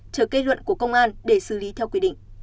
chờ kết luận của công an để xử lý theo quy định